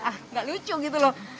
ah nggak lucu gitu loh